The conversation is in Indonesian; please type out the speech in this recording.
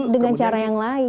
dengan cara yang lain